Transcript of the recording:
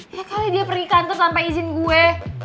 ya kali dia pergi kantor tanpa izin gue